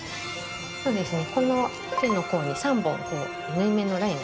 そうですね。